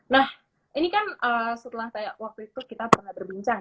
nah ini kan setelah waktu itu kita pernah berbincang